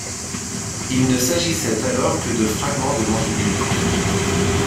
Il ne s'agissait alors que de fragments de mandibules.